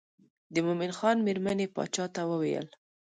د مومن خان مېرمنې باچا ته وویل.